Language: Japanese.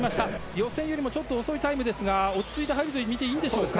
予選よりも、ちょっと遅いタイムですが、落ち着いた入りと見ていいでしょうか。